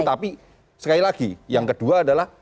tapi sekali lagi yang kedua adalah